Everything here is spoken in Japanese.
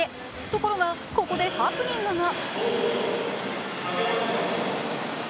ところがここでハプニングが。